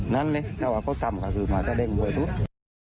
นั่นเนี่ยเขาก็ตำกับคือมาแสดงความบริสุทธิ์